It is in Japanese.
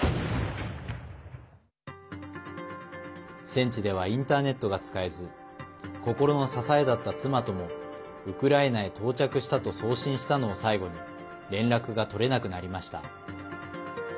戦地ではインターネットが使えず心の支えだった妻とも「ウクライナに到着した」と送信したのを最後に連絡が取れなくなりました。